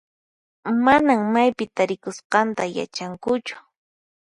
Manan maypi tarikusqanta yachankuchu.